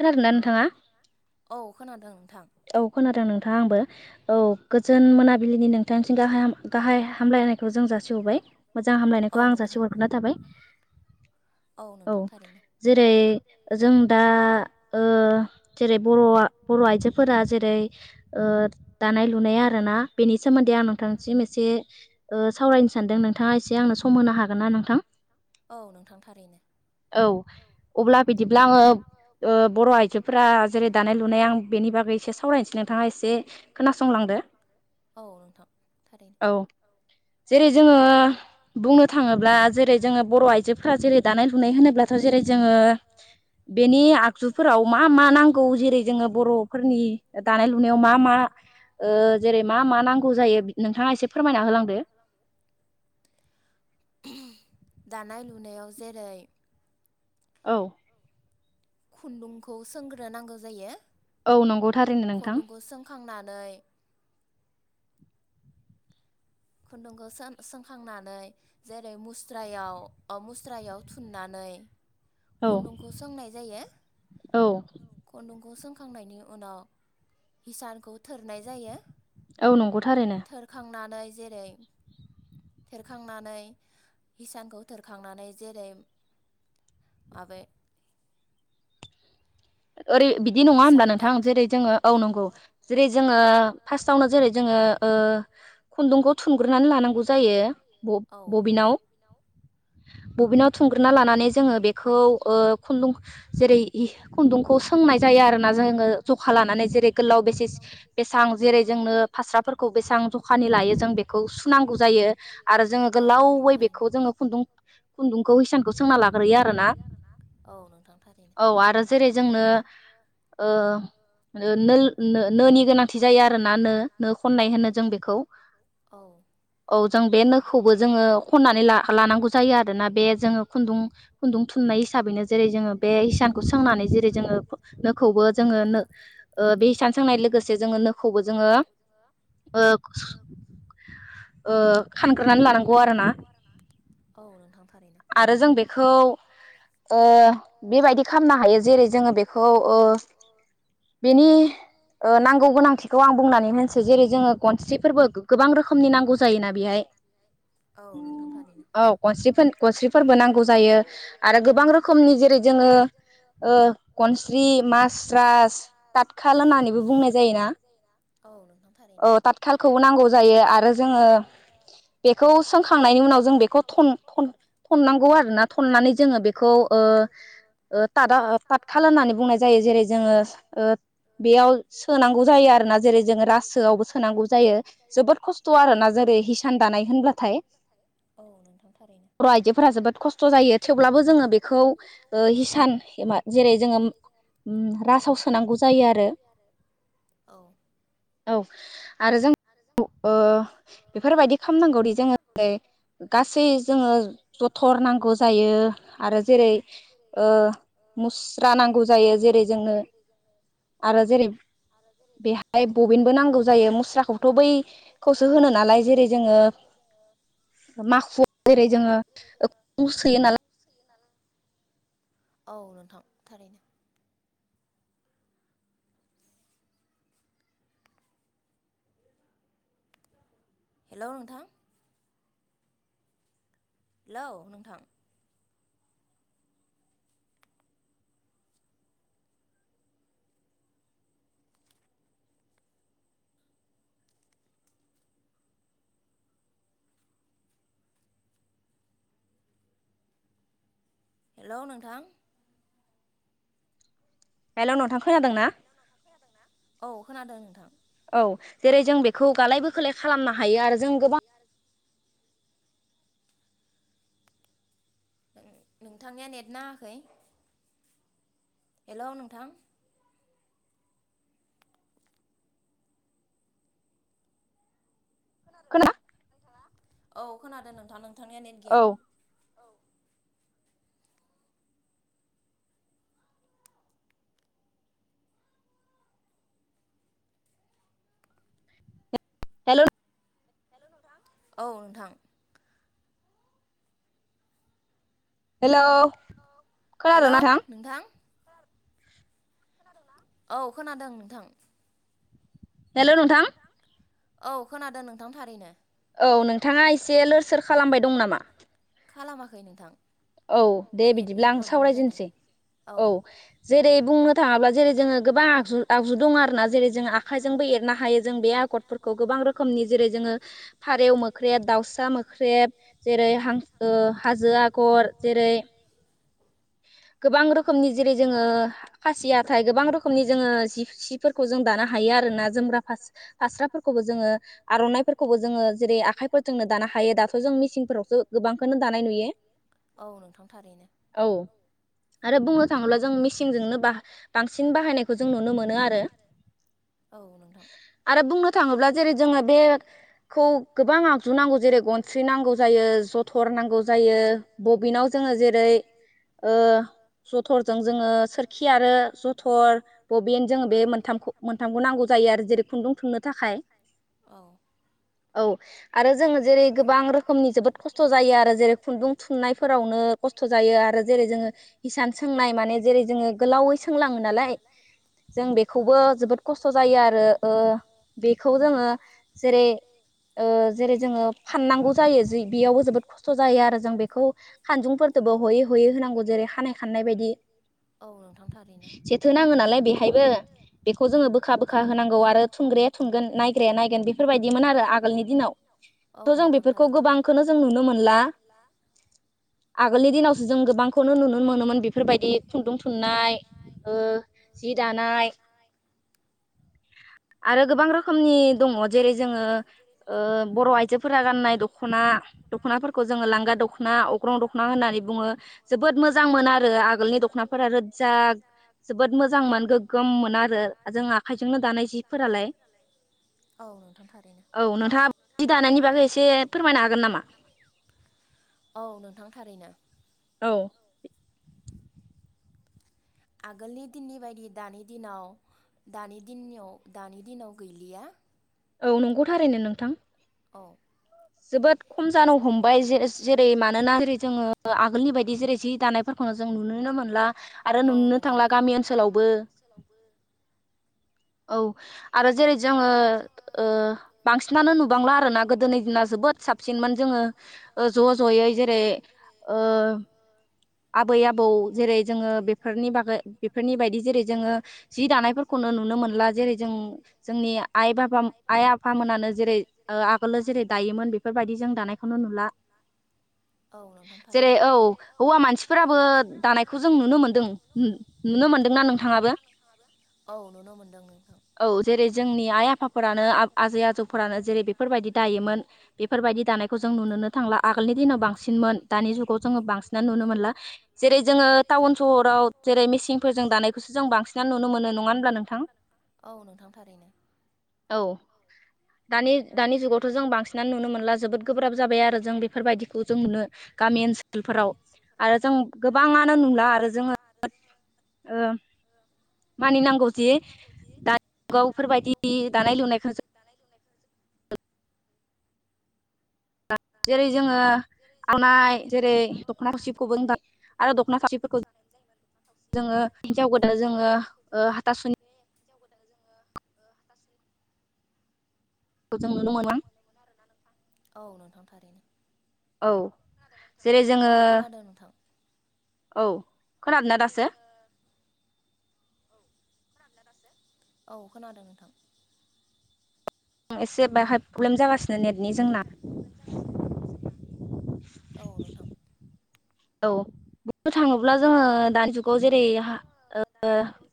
खोनादोंना नोंथाङा? खोनादों। औ खोनादों नों नोंथां आंबो। औ गोजोन मोनाबिलिनि नोंथांनिसिम गाह हाम गाहाय हामलायनायखौ जों जासिहरबाय मोजां हामलायनायखौ आं जासि हरग्रोना थाबाय। औ जेरै जों दा ओ जेरै बर'आ बर' आइजोफोरा जेरै ओ दानाय लुनाया आरोना बेनि सोमोन दे आं नोंथांसिम एसे सावरायनो सानदों नोंथाङा एसे आंनो सम होनो हागोन ना नोंथां औ नोंथां थारैनो औ अब्ला बिदिब्ला आङो बर' आइजोफोरा जेरै दानाय लुनाय आं बेनि बागै एसे सावरायनोसै नोंथाङा एसे खोनासंलांदो औ जेरै जोङो बुंनो थाङोब्ला जेरै जोङो बर' आइजोफोरा जेरै दानाय लुनाय होनोब्लाथ' जेरै जोङो बेनि आगजुफोराव मा मा नांगौ जेरै जोङो बर' फोरनि दानाय लुनायाव मा मा जेरै मा मा नांगौ जायो नोंथाङा एसे फोरमायना होलांदो दानाय लुनायाव जेरै औ खुन्दुंखौ सोंग्रोनांगौ जायो औ नंगौ थारैनो नोंथां नै खुन्दुंखौ सोंखांनानै जेरै मुस्रायाव मुस्रायाव थुननानै जेरै खन्दुंखौ सोंनाय जायो खुन्दुंखौ सोंखां खांनायनि उनाव हिसानखौ थोरनाय जायो औ नंगौ थारैनो जेरै थोरखांनानै हिसानखौ थोरखांनानै जेरै [unintelligible] ओरै बिदि नङा होमब्ला नोंथां जेरै जोङो औ नंगौ जेरै जोङो फार्स्टआवनो जेरै जोङो खुन्दुंखौ थुनग्रोनानै लानांगौ जायो बबिनाव बबिनाव थुंग्रोना लानानै जोङो बेखौ खुन्दुं जेरै हि खुन्दुंखौ सोंनाय जायो आरो ना जोङो जखा लानानै जेरै गोलाव बेसे बेसेबां जेरै जोंनो फास्राफोरखौ बेसेबां जखानि लायो जों बेखौ सुनांगौ जायो आरो जोङो गोलावै बेखौ जोङो खुन्दुंखौ हिसानखौ सोंना लाग्रोयो आरो औ नोंथां थारैनो जेरै जोंनो ओ नोल नोनि गोनांथि जायो आरो ना नो नो खननाय होनो जों बेखौ। औ औ जों बे नोखौबो जोङो खननानै लानांगौ जायो आरोना बे जोङो खुन्दुं खुन्दुं थुननाय हिसाबैनो जेरै जोङो बे हिसानखौ सोंनानै जेरै जोङो नोखौबो जोङो बे हिसान सोंनाय लोगोसे जोङो नोखौबो जोङो ओ ओ खानग्रोनानै लानांगौ आरोना। दा जों बेखौ ओ बेबायदि खालामनो हायो जेरै जोङो बेखौ ओ बेनि नांगौ गोनांथिखौ आं बुंनानै होनसै जेरै जोङो गनस्रि फोरबो गोबां रोखोमनि नांगौ जायोना बेहाय औ गनस्रि फोरबो नांगौ। जायो आरो गोबां रोखोमनि जेरै जोङो गनस्रि मास्रास तातखाल होननानैबो बुंनाय जायोना। औ नोंथां थारैनो औ तातखालखौबो नांगौ जायो आरो जोङो बेखौ सोंखांनायनि उनाव जों बेखौ थन थन थन - आरोना थननानै जोङो बेखौ तातखाल होननानै बुंनाय जायो जेरै जोङो बेयाव सोनांगौ जायो आरो आरोना जेरै जोङो रासोआवबो सोनांगौ जायो जोबोद खस्थ' आरोना जेरै हिसान दानाय होनब्लाथाय। औ नोंथां थारैनो बर' आइजोफोरा जोबोद खस्थ' खस्थ' जायो थेवब्लाबो जोङो बेखौ ओ हिसान जेरै जोङो उम रासाव सोनांगौ जायो आरो औ औ आरो जों ओ बेफोरबायदि खालामनांगौदि जोङो गासै जोङो जथर नांगौ जायो आरो जेरै ओ मुस्रा नांगौ जायो जेरै जोंनो आरो जेरै बेहाय बबिनबो नांगौ जायो मुस्राखौथ' बैखौसो होनो नालाय जेरै जोङो। [unintelligible] माखुआव जेरै जोङो सोयो नालाय। औ नोंथां थारैनो हेल' नोंथां हेलौ नोंथां। हेल' नोंथां हेल' नोंथां खोनादों ना? औ खोनादों नोंथां।। औ जेरै जों बेखौ गालाय बोखोलाय खालामनो हायो आरो जों गोबां नोंथांनिया नेद नाङाखै। हेल' नोंथां खोना औ खोनादों नोंथां नोंथांनिया नेट गैया। हेलौ औ नोंथां हेलौ हेलौ नोंथां औ खोनादों नोंथां। हेलौ नोंथां। औ खोनादों नोंथां थारैनो। औ नोंथाङा एसे लोर सोरोर खालामबाय दं नामा? खालामाखै नोंथां। औ दे बिदिब्ला आं सावरायजेननोसै। औ जेरै बुंनो थाङोब्ला जेरै जोङो गोबां आगु आगजु दङ आरो ना जेरै जों आखाइजोंबो एरनो हायो जों बे आगरफोरखौ। गोबां रोखोमनि जेरै जोङो फारेव मोख्रेब दाउसा मोख्रेब जेरै हांसो हाजो आगर जेरै गोबां रोखोमनि जेरै जोङो खासिहाथाय गोबां रोखोमनि जोङो जि सिफोरखौ जों दानो हायो। आरो ना जोमग्रा फास फास्राफोरखौ खौबो जोङो आर'नाइफोरखौबो जोङो जेरै आखाइफोरजोंनो दानो हायो दाथ' जों मिसिनफोरावसो गोबांखौनो दा दानाय नुयो। औ नोंथां थारैनो। औ आरो बुंनो थाङोब्ला जों मेचिनजोंनो बा बांसिन बाहायनायखौ जों नुनो मोनो आरो। आरो बुंनो थाङोब्ला जेरै जोङो बेखौ गोबां आगजु नांगौ जेरै गनस्रि नांगौ जायो जथ' नांगौ जायो बबिनाव जोङो जेरै ओ जथरजों जोङो सोरखि आरो जथर बबिन जोङो बे मोनथामखौ मोनथामखौ नांगौ जायो आरो जेरै खुन्दुं थुननो थाखाय। औ आरो जोङो जेरै गोबां रोखोमनि जोबोद खस्थ' जायो आरो जेरै खुन्दुं थुननायफोरावनो खस्थ' जायो आरो जेरै जोङो हिसान सोंनाय माने जेरै जोङो गोलावै सोंलाङो नालाय जों बेखौबो जोबोद खस्थ' जायो आरो ओ बेखौ जोङो जेरै ओ जेरै जोङो फाननांगौ जायो जि बेयावबो जोबोद खस्थ' जायो आरो जों बे खौ खानजुंफोरदोंबो हयै हयै होनांगौ जेरै खानाय खानाय बायदि जेथो नाङो नालाय बेहायबो बेखौ जोङो बोखा बोखा होनांगौ आरो थुनग्राया थुनगोन नायग्राया नायगोन बेफोरबायदिमोन आरो आगोलनि दिनाव थ' जों बेफोरखौ गोबांखौ नोजोर जों नुनो मोनला लाा [inaudible] आगोलनि दिनावसो जों गोबांखौनो नुनो मोनोमोन बेफोरबायदि खुन्दुं थुननाय ओ जि दानाय आरो गोबां रोखो रोखोमनि दङ जेरै जोङो ओ बर' आइजोफोरा गाननाय दखना दख'नाफोरखौ जोंङो लांगा दख'ना अग्रं दखना होननानै बुङो। जोबोद मोजां मोन आरो आगोलनि दख'नाफोरा रोजजा जा जोबोद मोजांमोन गोगोममोन आरो जों आखाइ जोंनो दानाय जिफोरालाय औ नोंथाङा जि दानायनि बागै एसे फोरमायनो हागोन नामा? औ नोंथां थारैनो। औ आगोलनि दिननि बायदि दानि दिनाव दानि दिननियाव दानि दिनाव गैलिया। औ नंगौ थारैनो नोंथां। औ जोबोद खम जानो हमबाय जे जेरै मानोना जेरै जोङो आगोलनि बायदि जेरै जि दानायफोरखौनो जों नुनोनो मोनला आरो नुनो थांला गामि ओनसोलावबो औ आरो जेरै जोङो ओ बांसिनानो नुबांला आरोना गोदोनि दिना जोबोद साबसिनमोन जोङो ओ ज' ज'यै जेरै ओ आबै आबौ जेरै जोङो बेफोरनि बागै बेफोरनि बायदि जेरै जोङो जि दानायफोरखौनो नुनो मोनो दा जेरै जों जोंनि आइ बाबा आइ आफामोनानो जेरै ओ आगोलाव जेरै दायोमोन बेफोरबायदि जों दानायखौनो नुला [inaudible] जेरै औ हौवा मानसिफोराबो दानायखौ जों नुनो मोनदों नुनो मोन्दोंना नोंथाङाबो? औ नुनो मोनदों नोंथां। औ जेरै जोंनि आइ आफाफोरानो आजै आजौफोरानो जेरै बेफोरबायदि दायोमोन बेफोरबायदि दा खौ जों नुनोनो थांला आगोलनि दिनाव बांसिन मोन दानि जुगाव जोङो बांसिनना नुनो मोनला जेरै जोङो टाउन सहराव जेरै मिसिनफोरजों दानायखौसो जों बांसिनानो नुनो मोनो नङा होनब्ला नोंथां? नंगौ थारैनो दानि दानि जुगावथ' जों बांसिनानो नुनो मोनला जोबोद गोब्राब जाबाय आरो जों बेफोरबायदिखौ जों नुनो गामि ओनसोलफोराव आरो जों गोबाङानो नुला आरो जोङो ओ मानिनांगौ जि दा गावफोरबायदि दानाय लुनायखौ जों जेरै जोङो आवनाय जेरै दख'ना सासिखौबो होन आरो दख'ना सासिफोरखौ [unintelligible] जोङो हिनजाव गोदान जोङो ओ हाथासुनि खौ जों नुनो मोना। थारैनो [inaudible] औ जेरै जोङो औ खोनादोंना दासो [inaudible] औ खोन औ खोनादों नोंथां एसे बेहाय प्रब्लेम जागासिनो इटारनेटनि जेंना [inaudible] औ बु थाङोब्ला जोङो दानि जुग खौ जेरै ओ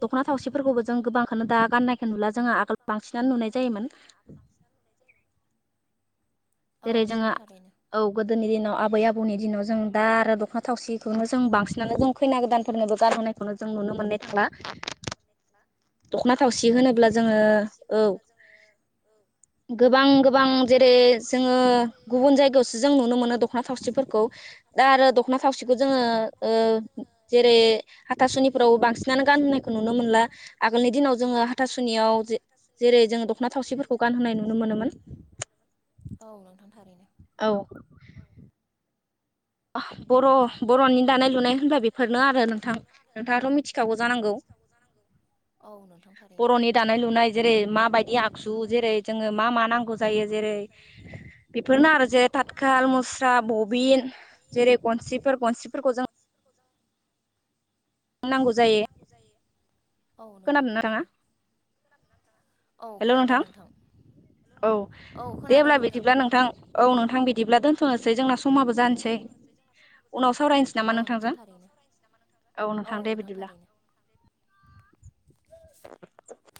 दख'ना थावसिफोरखौबो जों गोबांखौनो दा गाननायखौ नुला जोंङो आगोल बांसिन [inaudible] नुनाय जायोमोन जों औ नोंथां थारैनो औ गोदोनि दिनाव आबै आबौनि दिनाव जों दा आरो दख'ना थावसिखौनो जों बांसिनानो जों खैना गोदानफोर ओ गार'नायखौनो जों नुनो मोननाय थांला दख'ना थावसि होनोब्ला जोङो औ गोबां गोबां जेरै जोङो गुबुन जायगायावसो जों नुनो मोनो दख'ना थावसिफोरखौ दा आरो दख'ना थावसिखौ जोङो ओ जेरै हाथासुनि फोरावबो बांसिनानो गान होननायखौ नुनो मोनला आगोलनि दिनाव जोङो हाथासुनियाव जेरै जोङो दख'ना थावसिफोरखौ गानहोनाय नुनो मोनोमोन। औ नोंथां थारैनो औ बर' बर'नि दानाय लुनाय होनबा बेफोरनो आरो नोंथां नोंथाङाथ' मिथिखागौ जानांगौ बर'नि दानाय लुनाय जेरै माबायदि आगजु जेरै जोङो मा मा नांगौ जायो जेरै बेफोरनो आरो जेरै थाथखाल मुस्रा बबिन जेरै गनसिफोर गनसिफोरखौ जों नांगौ जायो। औ नोंथां थारैनो औ खोनादों नोंथां। औ दे हब्ला बिदिब्ला नोंथां औ नोंथां बिदिब्ला दोनथ'नोसै जोंना समाबो जानोसै। उनाव सावरायनोसै नामा नोंथांजों औ नोंथां दे बिदिब्ला [inaudible]